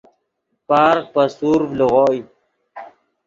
پارغ پے سورڤ لیغوئے